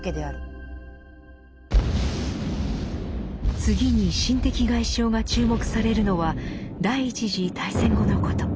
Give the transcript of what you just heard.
次に心的外傷が注目されるのは第一次大戦後のこと。